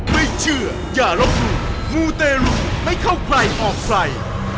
ไม่เชื่ออย่ารบหลุมมูเตรุไม่เข้าใกล้ออกไฟ